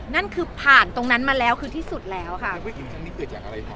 นั่นคือผ่านตรงนั้นมาแล้วคือที่สุดแล้วค่ะวิถีทางนี้เกิดจากอะไรคะ